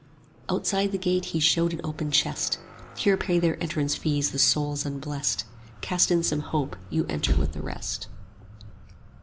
Outside the gate he showed an open chest: Here pay their entrance fees the souls unblest; 35 Cast in some hope, you enter with the rest.